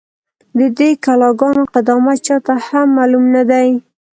، د دې کلا گانو قدامت چا ته هم معلوم نه دی،